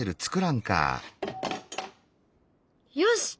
よし！